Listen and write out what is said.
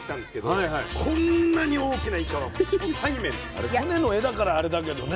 あれ船の画だからあれだけどね。